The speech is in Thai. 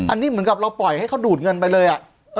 อันนี้เหมือนกับเราปล่อยให้เขาดูดเงินไปเลย